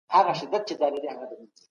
مستبده واکمنان خپل واک څنګه پراخوي؟